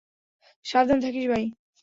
সাবধান থাকিস, ভাই।